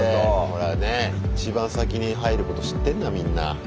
ほらね一番先に入ること知ってんだみんな。